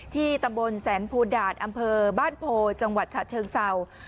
ที่ตำบลแสนภูดาตอำเภอบ้านโพจังหวัดฉะเชิงเศร้า